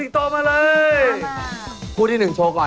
ต้องมีฟิลล์